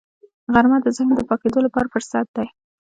غرمه د ذهن د پاکېدو لپاره فرصت دی